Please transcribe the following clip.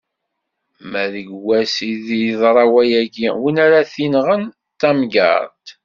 Ma deg wass i d-iḍra wayagi, win ara t-inɣen, d tamgerṭ.